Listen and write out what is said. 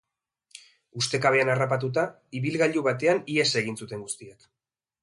Ustekabean harrapatuta, ibilgailu batean ihes egin zuten guztiek.